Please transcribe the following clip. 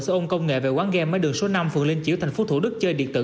số ôn công nghệ về quán game máy đường số năm phường linh chiếu thành phố thủ đức chơi điện tử